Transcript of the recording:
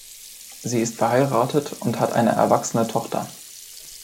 Sie ist verheiratet und hat eine erwachsene Tochter.